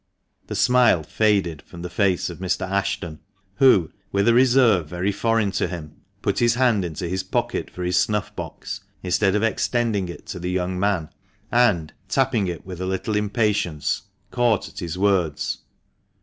The smile faded from the face of Mr, Ashton, who, with a reserve very foreign to him, put his hand into his pocket for his snuff box instead of extending it to the young man, and, tapping it with a little impatience, caught at his words.